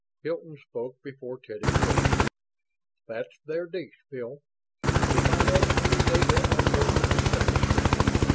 Hilton spoke before Teddy could. "That's their dish, Bill. If I had any data I'd work it myself.